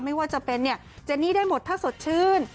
ไม่ว่าจะเป็นเนี่ยเจนี่ได้หมดถ้าสดชื่น